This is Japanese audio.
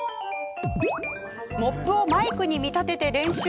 モップをマイクに見立てて練習。